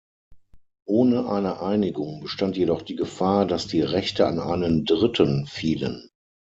Ohne eine Einigung bestand jedoch die Gefahr, dass die Rechte an einen Dritten fielen.